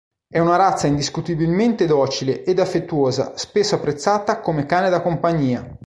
È una razza indiscutibilmente docile ed affettuosa spesso apprezzata come cane da compagnia.